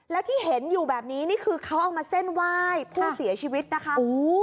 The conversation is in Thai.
แล้วที่เห็นอยู่แบบนี้นี่คือเขาเอามาเส้นไหว้ผู้เสียชีวิตนะคะ